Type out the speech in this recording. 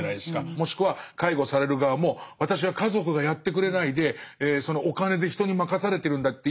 もしくは介護される側も私は家族がやってくれないでそのお金で人に任されてるんだって意識を持っちゃう人